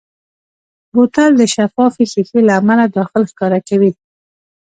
بوتل د شفافې ښیښې له امله داخل ښکاره کوي.